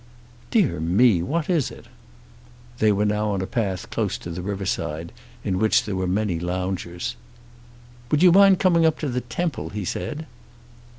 "Dear me; what is it?" They were now on a path close to the riverside, in which there were many loungers. "Would you mind coming up to the temple?" he said.